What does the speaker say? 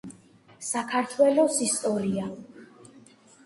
საქართველოს ისტორია